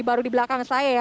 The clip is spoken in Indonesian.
baru di belakang saya ya